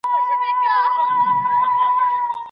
که مهر معقول وي نو کورنۍ نه ماتیږي.